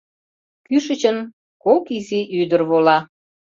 Кӱшычын кок изи ӱдыр вола.